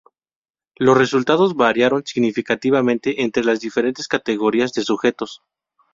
Los resultados variaron significativamente entre las diferentes categorías de sujetos.